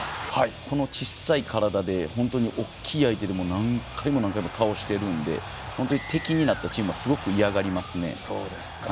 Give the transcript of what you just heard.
この小さな体で、大きな相手でも何回も何回も倒しているので本当に敵になったチームはすごく嫌がりますね。